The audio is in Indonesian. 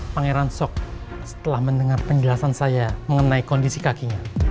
pangeran sok setelah mendengar penjelasan saya mengenai kondisi kakinya